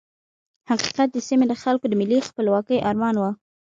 حقیقت د سیمې د خلکو د ملي خپلواکۍ ارمان وو.